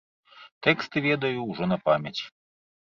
Тэксты ведаю ўжо на памяць.